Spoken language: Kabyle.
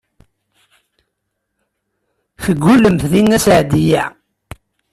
Teggullemt deg Nna Seɛdiya.